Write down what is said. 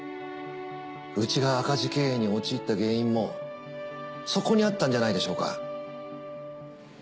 うちが赤字経営に陥った原因もそこにあったんじゃないでしょうか。